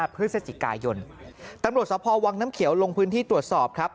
พฤศจิกายนตำรวจสภวังน้ำเขียวลงพื้นที่ตรวจสอบครับ